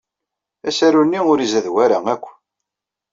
Asaru-nni ur izad wara akk.